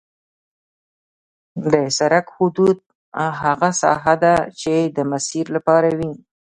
د سرک حدود هغه ساحه ده چې د مسیر لپاره وي